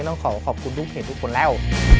ต้องขอขอบคุณทุกเพจทุกคนแล้ว